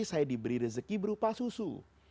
saya diberi rezeki berupa susu